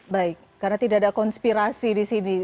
baik karena tidak ada konspirasi di sini